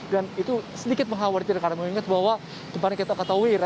dan itu sedikit mengkhawatirkan karena mengingat bahwa kemarin kita ketahui